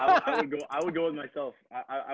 aku akan ikut sendiri